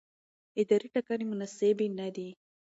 اداري ټاکنې مناسبې نه دي.